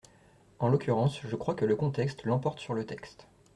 En l’occurrence, je crois que le contexte l’emporte sur le texte.